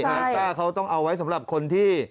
สต้าเขาต้องเอาไว้สำหรับคนที่